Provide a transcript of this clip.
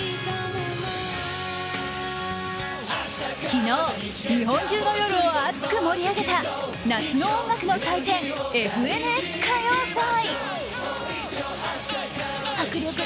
昨日、日本中の夜を熱く盛り上げた夏の音楽の祭典「ＦＮＳ歌謡祭」。